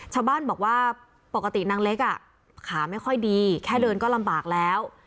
ชาวบ้านบอกว่าปกตินางเล็กขาไม่ค่อยดีแค่เดินก็ลำบากแล้ว